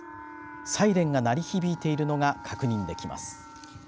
サイレンが鳴り響いているのが確認できます。